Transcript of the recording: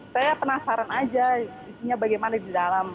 saya penasaran aja isinya bagaimana di dalam